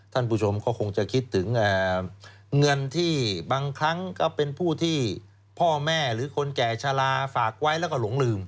ท่านผู้ชมก็คงจะคิดถึงเงินที่บางครั้งก็เป็นผู้ที่พ่อแม่หรือคนแก่ชะลาฝากไว้แล้วก็หลงลืม